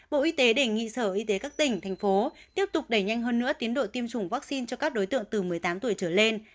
bộ y tế đề nghị sở y tế các tỉnh thành phố tiếp tục đẩy nhanh hơn nữa tiến độ tiêm chủng vaccine cho các đối tượng từ một mươi tám tuổi trở lên